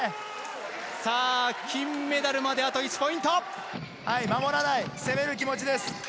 さあ、金メダルまであと１ポインはい、守らない、攻める気持ちです。